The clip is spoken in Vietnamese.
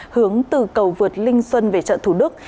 hướng từ cầu vượt linh xuân về chợ thủ đức